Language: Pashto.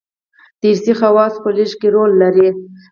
دارثي خواصو په لېږد کې رول لري.